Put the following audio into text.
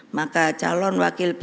maka calon wakil perintah